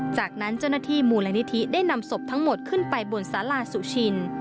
จากนั้นเจ้าหน้าที่มูลนิธิได้นำศพทั้งหมดขึ้นไปบนสาราสุชิน